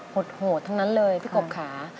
โหดทั้งนั้นเลยพี่กบค่ะ